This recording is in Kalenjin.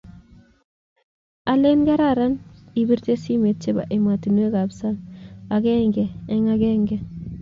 alen karan ipirte simet chebo ematinwek ab sanga agenge eng agenge